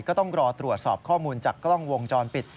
ก็ต้องรอตรวจสอบข้อมูลจากกล้องวงจรปิด